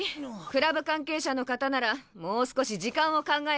クラブ関係者の方ならもう少し時間を考えて電話を。